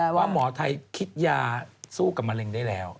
เพราะว่าหมอไทยคิดยาสู้กับมะลิ้งได้แล้ว